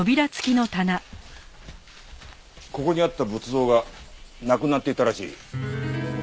ここにあった仏像がなくなっていたらしい。